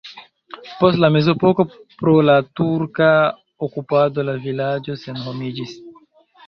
Post la mezepoko pro la turka okupado la vilaĝo senhomiĝis.